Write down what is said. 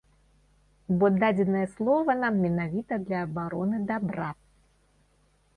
Бо дадзенае слова нам менавіта для абароны дабра.